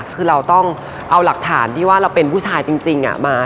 คือเราต้องเอาหลักฐานที่ว่าเราเป็นผู้ชายจริงมา